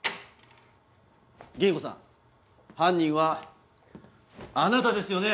銀子さん犯人はあなたですよね？